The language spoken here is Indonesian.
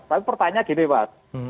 tapi pertanyaan gini pak